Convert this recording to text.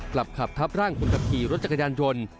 กลับขับทับร่างคนขับขี่รถจักรยานยนต์